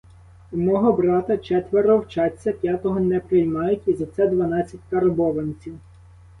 У мого брата четверо вчаться, п'ятого не приймають, і за це дванадцять карбованців.